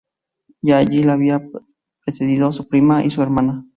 Ya allí la había precedido su prima y su hermana.